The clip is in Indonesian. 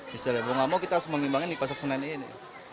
bisa lah mau nggak mau kita harus mengimbangin di pasar senen ini